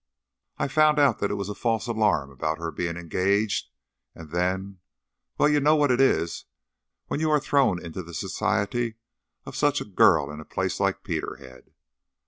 I found out that it was a false alarm about her being engaged, and then well, you know what it is when you are thrown into the society of such a girl in a place like Peterhead.